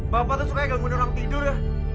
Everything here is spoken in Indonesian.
bapak tuh sukanya gangguin orang tidur ya